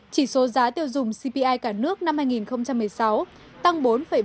chỉ số giá tiêu dùng cpi cả nước năm hai nghìn một mươi sáu tăng bốn bảy mươi bốn